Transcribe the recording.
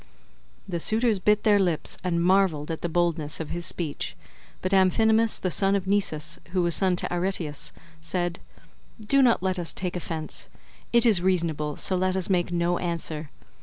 The suitors bit their lips and marvelled at the boldness of his speech; but Amphinomus the son of Nisus, who was son to Aretias, said, "Do not let us take offence; it is reasonable, so let us make no answer.